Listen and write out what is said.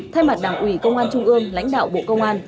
thay mặt đảng ủy công an trung ương lãnh đạo bộ công an